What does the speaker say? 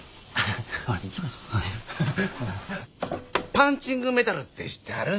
パンチングメタルって知ってはる？